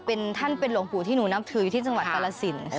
เป็นท่านเป็นหลวงปู่ที่หนูนับถือที่สังหวัดตรศิลป์ค่ะ